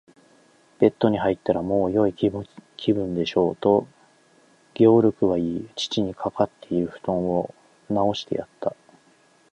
「ベッドに入ったら、もうよい気分でしょう？」と、ゲオルクは言い、父にかかっているふとんをなおしてやった。